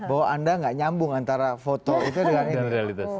bahwa anda nggak nyambung antara foto itu dengan ini realitas